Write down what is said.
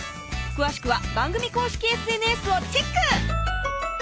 詳しくは番組公式ＳＮＳをＣＨＥＣＫ！